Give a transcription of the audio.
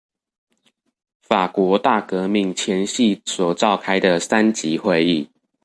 法國大革命前夕所召開的三級會議